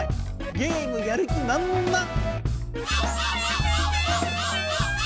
ゲームやる気まんまん！